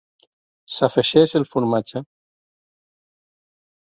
S'afegeix el formatge.